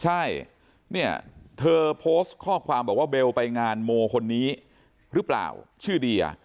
ใช่เนี่ยเธอโพสต์ข้อความบอกว่าเบลไปงานโมคนนี้หรือเปล่าชื่อเดีย